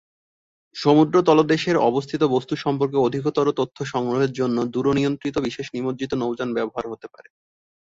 সমুদ্র তলদেশের অবস্থিত বস্তু সম্পর্কে অধিকতর তথ্য সংগ্রহের জন্য দূর-নিয়ন্ত্রিত বিশেষ নিমজ্জিত নৌযান ব্যবহার করা হতে পারে।